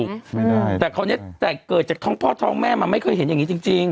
ไม่ได้แต่คราวนี้แต่เกิดจากท้องพ่อท้องแม่มันไม่เคยเห็นอย่างนี้จริงจริง